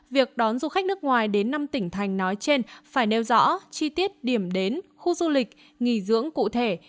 việc đón du khách nước ngoài đến năm tỉnh thành nói trên phải nêu rõ chi tiết điểm đến khu du lịch nghỉ dưỡng cụ thể